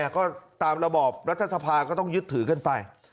ก็ตามระบอบรัฐสภาก็ต้องยึดถือกันไป